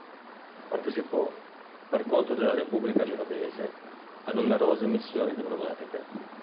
Partecipò, per conto della repubblica genovese, a numerose missioni diplomatiche.